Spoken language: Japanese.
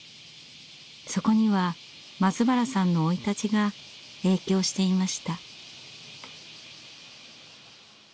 そこには松原さんの生い立ちが影響していました。